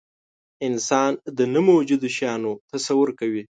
انسان د نه موجودو شیانو تصور کوي.